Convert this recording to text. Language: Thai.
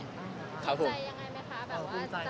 อย่างไรมั้ยคะคุ้มใจ